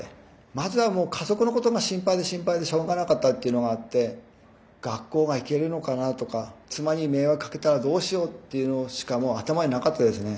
まずはもう家族のことが心配で心配でしょうがなかったっていうのがあって学校が行けるのかなとか妻に迷惑かけたらどうしようっていうのしかもう頭になかったですね。